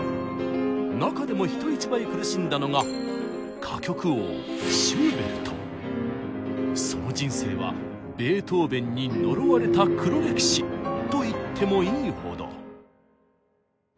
中でも人一倍苦しんだのがその人生はベートーベンに呪われた黒歴史と言ってもいいほど。